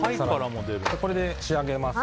これで仕上げます。